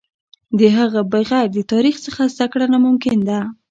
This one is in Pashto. د هغه بغیر د تاریخ څخه زده کړه ناممکن ده.